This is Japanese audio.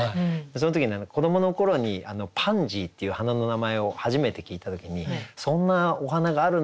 その時に子どもの頃にパンジーっていう花の名前を初めて聞いた時にそんなお花があるんだって思って。